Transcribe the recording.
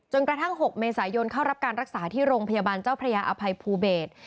กระทั่ง๖เมษายนเข้ารับการรักษาที่โรงพยาบาลเจ้าพระยาอภัยภูเบศ